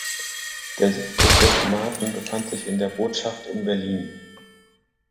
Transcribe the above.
Der Sitz des Diplomaten befand sich in der Botschaft in Berlin.